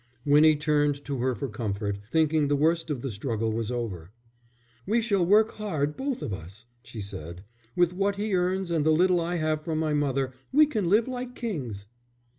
Winnie turned to her for comfort, thinking the worst of the struggle was over. "We shall work hard, both of us," she said. "With what he earns and the little I have from my mother we can live like kings."